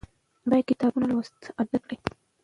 باید کتابونه لوستل عادت کړو.